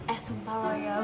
eh sumpah lo ya